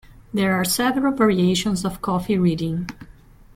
There are several variations of coffee reading.